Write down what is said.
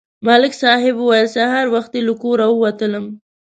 ملک صاحب وویل: سهار وختي له کوره ووتلم